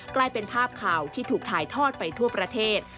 กลายเป็นภาพข่าวที่ถูกถ่ายทอดไปทั่วประเทศ